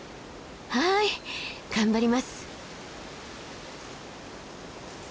はい頑張ります。